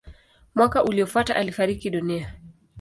Mwaka uliofuata alifariki dunia.